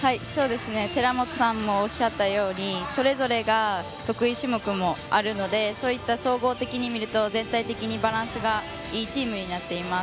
寺本さんもおっしゃったようにそれぞれが得意種目もあるのでそういった総合的に見ると全体的にバランスがいいチームになっています。